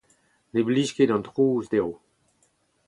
Ne blij ket an trouz dezho.